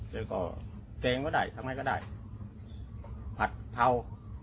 แล้วก็แกงก็ได้ทำไงก็ได้ผัดเทา